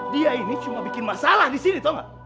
dia ini cuma bikin masalah di sini tau gak